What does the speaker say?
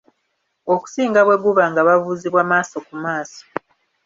Okusinga bwe guba nga babuuzibwa maaso ku maaso.